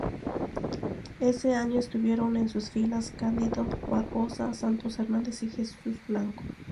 Ese año estuvieron en sus filas Cândido Barbosa, Santos Hernández y Jesús Blanco.